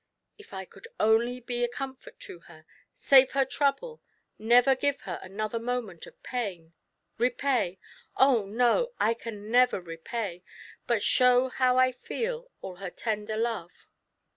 " If I could only be a comfort to her, save her trouble, never give her another moment of pain, repay — oh no ! I can never repay, but show how I fee) all her tender love.